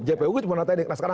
jpu itu penasihat hukum